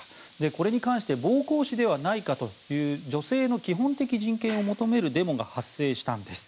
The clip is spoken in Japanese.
これに関して暴行死ではないかという女性の基本的人権を求めるデモが発生したんです。